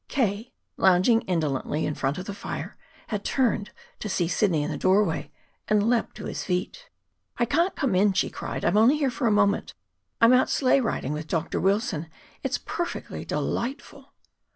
K., lounging indolently in front of the fire, had turned to see Sidney in the doorway, and leaped to his feet. "I can't come in," she cried. "I am only here for a moment. I am out sleigh riding with Dr. Wilson. It's perfectly delightful."